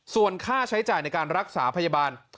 ส่วนค่าใช้จ่ายในการรักษาพยาบาล